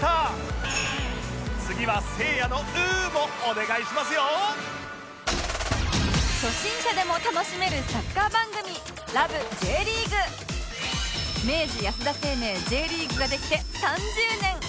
次はせいやの初心者でも楽しめるサッカー番組明治安田生命 Ｊ リーグができて３０年！